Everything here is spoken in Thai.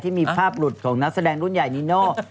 ที่มีภาพหลุดของนักแสดงรุ่นใหญ่นิโน่